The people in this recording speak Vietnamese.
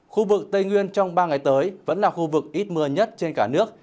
khu vực tây nguyên trong ba ngày tới vẫn là khu vực ít mưa nhất trên cả nước